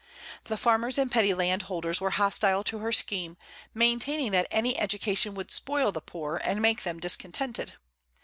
The farmers and petty landholders were hostile to her scheme, maintaining that any education would spoil the poor, and make them discontented.